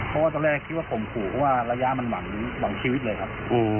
เขาคิดว่านี่มันหม่อนขวางชีวิตเลยครับ